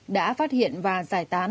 đã phát hiện và giải tán